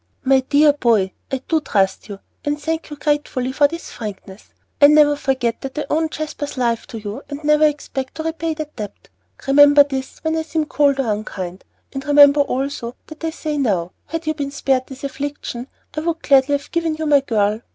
"My dear boy, I do trust you, and thank you gratefully for this frankness. I never forget that I owe Jasper's life to you, and never expect to repay that debt. Remember this when I seem cold or unkind, and remember also that I say now, had you been spared this affliction, I would gladly have given you my girl.